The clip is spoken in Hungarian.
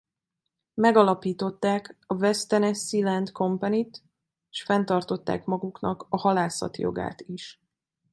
Megalapították a West Tennessee Land Companyt s fenntartották maguknak a halászat jogát is.